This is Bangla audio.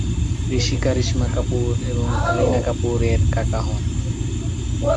ঋষি কারিশমা কাপুর এবং কারিনা কাপুর এর কাকা হন।